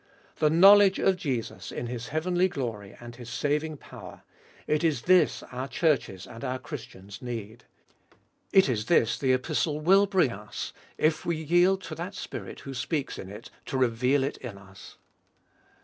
The knowledge of Jesus in His heavenly glory and His saving power ; it is this our Churches and our Christians need. It is this the Epistle will bring us, if we yield to that Spirit who speaks in it, to reveal it in us.